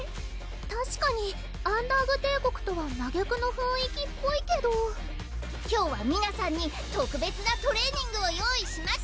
たしかにアンダーグ帝国とは真逆の雰囲気っぽいけど今日は皆さんに特別なトレーニングを用意しまし